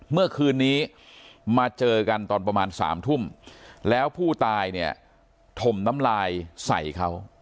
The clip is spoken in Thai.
เมื่อคืนนี้มาเจอกันตอนประมาณ๓ทุ่มแล้วผู้ตายเนี่ยถมน้ำลายใส่เขา